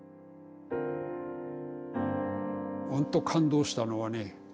ほんと感動したのはね